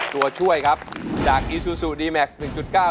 ตัวช่วยครับจากอีซูซูดีแม็กซ์หนึ่งจุดเก้า